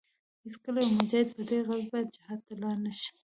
هېڅکله يو مجاهد په دې غرض باید جهاد ته لاړ نشي.